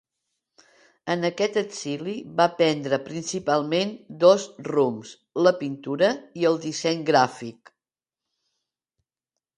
En aquest exili va prendre principalment dos rumbs: la pintura i el disseny gràfic.